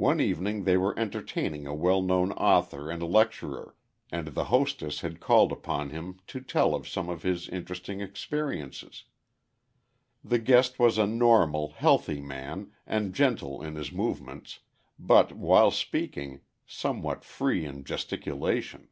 One evening they were entertaining a well known author and lecturer, and the hostess had called upon him to tell of some of his interesting experiences. The guest was a normal, healthy man and gentle in his movements, but, while speaking, somewhat free in gesticulation.